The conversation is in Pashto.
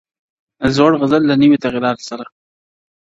زوړ غزل له نوي تغیراتو سره؟-